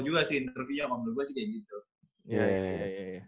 juga sih interviewnya menurut gue sih kayak gitu